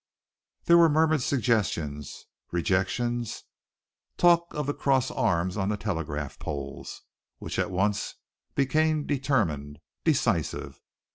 There were murmured suggestions, rejections; talk of the cross arms on the telegraph poles, which at once became determined, decisive.